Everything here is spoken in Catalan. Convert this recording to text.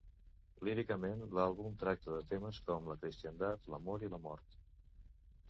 Líricament, l"àlbum tracta de temes com la cristiandat, l"amor i la mort.